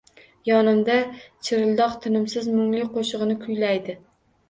Yonimda chirildoq tinimsiz mungli qo’shig’ini kuylaydi